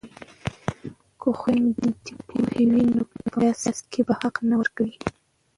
که خویندې پوهې وي نو په میراث کې به حق نه ورکوي.